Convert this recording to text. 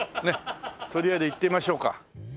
とりあえず行ってみましょうか。